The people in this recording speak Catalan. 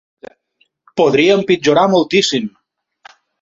Podria empitjorar moltíssim